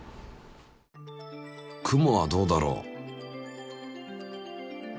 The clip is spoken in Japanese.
雲はどうだろう？